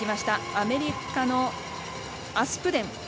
アメリカのアスプデン。